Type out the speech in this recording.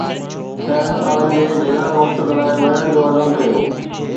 ڇهن سالن جي ڊيلان مقصد لاءِ وڙهڻ جو عزم ڪيو.